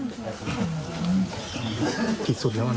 พูดผิดเสียที่สุดแล้วอ่ะน้อง